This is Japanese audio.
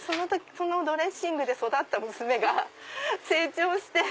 そのドレッシングで育った娘が成長して。